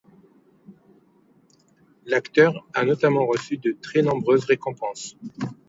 L'acteur a notamment reçu de très nombreuses récompenses.